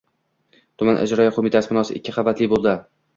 Tuman ijroiya qo‘mitasi binosi ikki qavatli bo‘ldi.